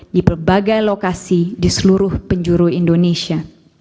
di berbagai lokasi di seluruh penjuru indonesia